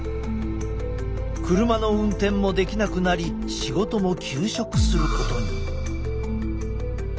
車の運転もできなくなり仕事も休職することに。